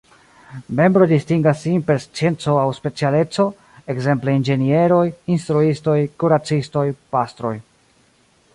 Membroj distingas sin per scienco aŭ specialeco, ekzemple inĝenieroj, instruistoj, kuracistoj, pastroj.